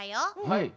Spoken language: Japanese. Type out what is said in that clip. はい。